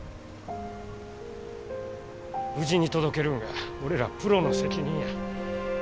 無事に届けるんが俺らプロの責任や。